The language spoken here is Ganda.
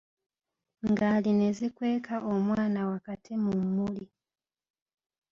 Ngaali ne zikweka omwana wakati mu mmuli.